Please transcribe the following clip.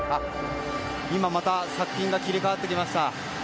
今、また作品が切り替わりました。